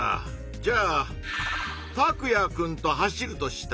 じゃあタクヤくんと走るとしたら？